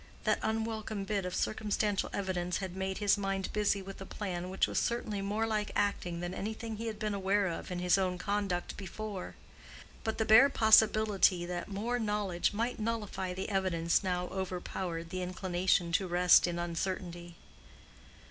That unwelcome bit of circumstantial evidence had made his mind busy with a plan which was certainly more like acting than anything he had been aware of in his own conduct before. But the bare possibility that more knowledge might nullify the evidence now overpowered the inclination to rest in uncertainty.